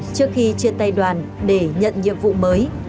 trước khi chia tay đoàn để nhận nhiệm vụ mới